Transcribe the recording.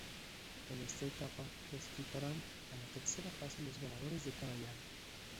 En esta etapa clasificarán a la tercera fase los ganadores de cada llave.